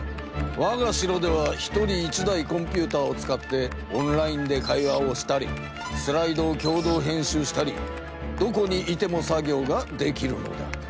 わがしろでは１人１台コンピューターを使ってオンラインで会話をしたりスライドをきょう同へん集したりどこにいても作業ができるのだ。